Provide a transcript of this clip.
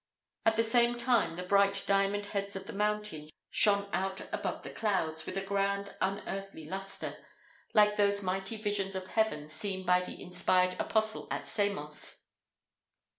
At the same time, the bright diamond heads of the mountains shone out above the clouds, with a grand, unearthly lustre, like those mighty visions of heaven seen by the inspired apostle at Samos.